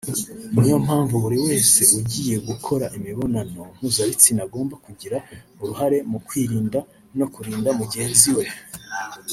ni yo mpamvu buri wese ugiye gukora imibonano mpuzabitsina agomba kugira uruhare mu kwirinda no kurinda mugenzi we